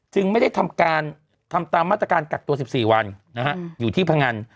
จึงไม่ได้ทำตามมาตรการกัดตัว๑๔วันอยู่ที่พังงาน